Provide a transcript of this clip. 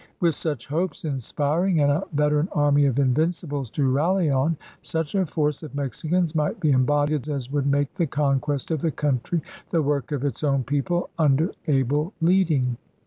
With such hopes inspiring and a veteran army of invincibles to rally on, such a force of Mexicans might be embodied as would make the conquest of the country the work of its own people under able leading.